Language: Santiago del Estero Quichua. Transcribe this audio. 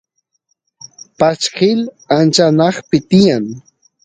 pashkil ancha anaqpi tiyan